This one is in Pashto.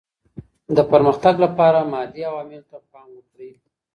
د پرمختګ لپاره مادي عواملو ته پام وکړئ.